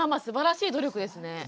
すばらしい努力ですね。